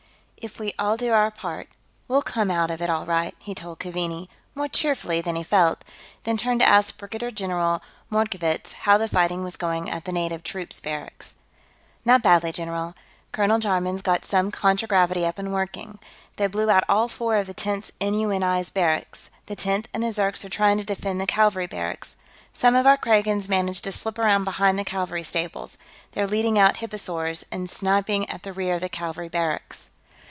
"If we all do our part, we'll come out of it all right," he told Keaveney, more cheerfully than he felt, then turned to ask Brigadier General Mordkovitz how the fighting was going at the native troops barracks. "Not badly, general. Colonel Jarman's got some contragravity up and working. They blew out all four of the Tenth N.U.N.I.'s barracks; the Tenth and the Zirks are trying to defend the cavalry barracks. Some of our Kragans managed to slip around behind the cavalry stables. They're leading out hipposaurs, and sniping at the rear of the cavalry barracks."